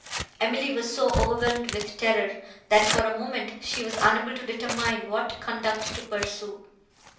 Emily was so overwhelmed with terror, that, for a moment, she was unable to determine what conduct to pursue.